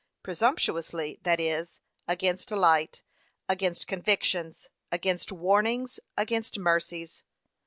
Presumptuously, that is, against light, against convictions, against warnings, against mercies.